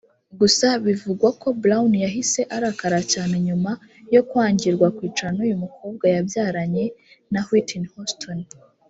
Gusa bivugwa ko Brown yahise arakara cyane nyuma yo kwangirwa kwicarana n’uyu mukobwa yabyaranye na Whitney Houston